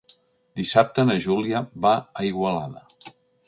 Dissabte na Júlia va a Igualada.